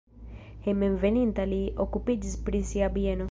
Hejmenveninta li okupiĝis pri sia bieno.